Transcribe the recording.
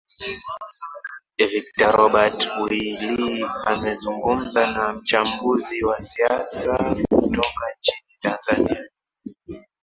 victor robert willi amezungumza na mchambuzi wa siasa kutoka nchini tanzania